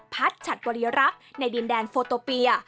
พัดฉัดบริรักษ์ในดินแดนโฟโตเปีย